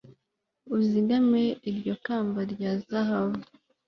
Uzigame iryo kamba rya zahabu